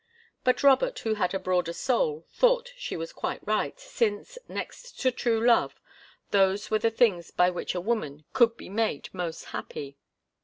But Robert, who had a broader soul, thought she was quite right, since, next to true love, those were the things by which a woman could be made most happy.